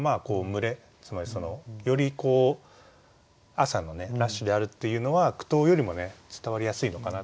つまりそのより朝のラッシュであるというのは「苦闘」よりもね伝わりやすいのかな。